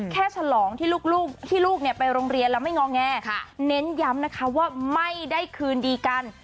ฉลองที่ลูกที่ลูกไปโรงเรียนแล้วไม่งอแงเน้นย้ำนะคะว่าไม่ได้คืนดีกัน